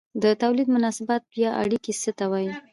د توليد مناسبات یا اړیکې څه ته وايي؟